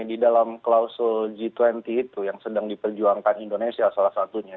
di dalam klausul g dua puluh itu yang sedang diperjuangkan indonesia salah satunya